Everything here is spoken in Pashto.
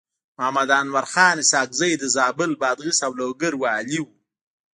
محمد انورخان اسحق زی د زابل، بادغيس او لوګر والي و.